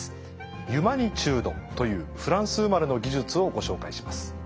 ユマニチュードというフランス生まれの技術をご紹介します。